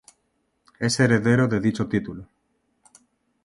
Es heredero de dicho título.